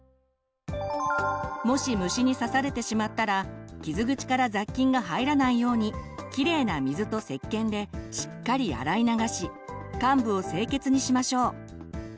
もし虫に刺されてしまったら傷口から雑菌が入らないようにきれいな水とせっけんでしっかり洗い流し患部を清潔にしましょう。